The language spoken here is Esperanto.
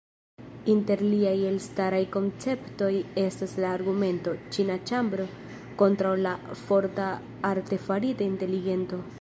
Inter liaj elstaraj konceptoj estas la argumento "Ĉina ĉambro" kontraŭ la "forta" artefarita inteligento.